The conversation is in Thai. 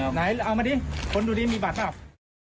ไหนเอามาดิคนดูดีมีบัตรเปล่า